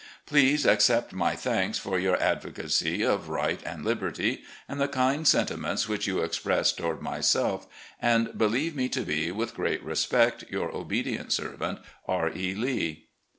Please accept my thanks for your advocacy of right and 226 RECOLLECTIONS OF GENERAL LEE liberty and the kind sentiments which you express toward myself, and believe me to be, with great respect, "Your obedient servant, "R. E. Lee."